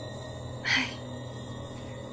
はい。